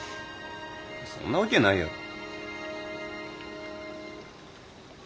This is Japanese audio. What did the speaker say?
そんなわけないやろ。